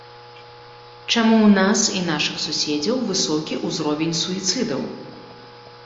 Чаму ў нас і нашых суседзяў высокі ўзровень суіцыдаў?